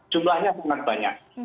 jumlahnya sangat banyak